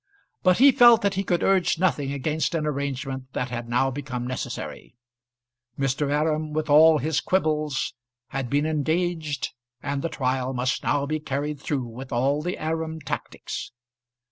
But he felt that he could urge nothing against an arrangement that had now become necessary. Mr. Aram, with all his quibbles, had been engaged, and the trial must now be carried through with all the Aram tactics.